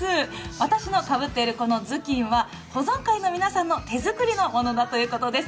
私のかぶっているこの頭巾は登山界の皆さんの手作りのものだということです。